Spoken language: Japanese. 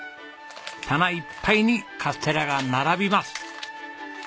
棚いっぱいにカステラが並びます。